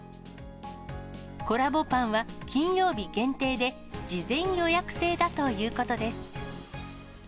コラボパンは金曜日限定で、事前予約制だということです。